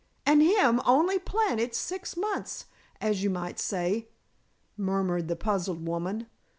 "And him only planted six months, as you might say," murmured the puzzled woman.